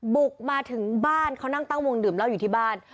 บุกมาถึงบ้านเขานั่งตั้งวงดื่มเหล้าอยู่ที่บ้าน